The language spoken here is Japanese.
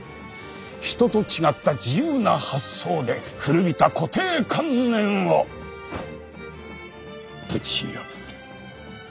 人と違った自由な発想で古びた固定観念をぶち破れ。